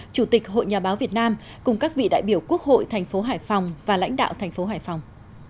chủ tịch hội nhà báo việt nam cùng các vị đại biểu quốc hội thành phố hải phòng và lãnh đạo thành phố hải phòng